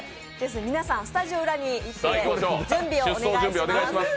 皆さん、スタジオ裏に行って準備をお願いします。